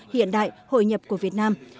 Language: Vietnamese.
hiện đại hội nhập của việt nam